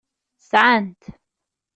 Sɛan-t.